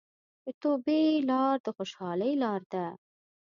د توبې لار د خوشحالۍ لاره ده.